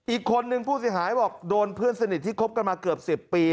อีกคนนึงผู้เสียหายบอกโดนเพื่อนสนิทที่คบกันมาเกือบ๑๐ปี